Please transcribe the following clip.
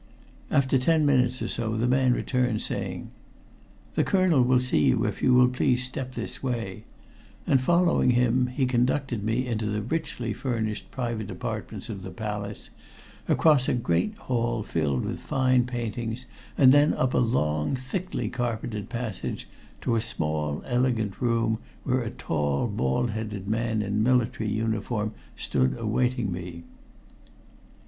After ten minutes or so the man returned, saying: "The Colonel will see you if you will please step this way," and following him he conducted me into the richly furnished private apartments of the Palace, across a great hall filled with fine paintings, and then up a long thickly carpeted passage to a small, elegant room, where a tall bald headed man in military uniform stood awaiting me.